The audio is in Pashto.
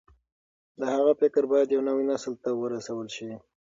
د هغه فکر بايد نوي نسل ته ورسول شي.